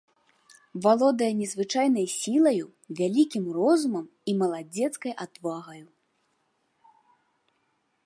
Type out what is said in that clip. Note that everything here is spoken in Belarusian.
Валодае незвычайнай сілаю, вялікім розумам і маладзецкай адвагаю.